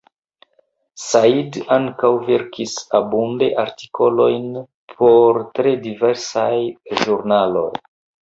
Said ankaŭ verkis abunde artikolojn por tre diversaj ĵurnaloj.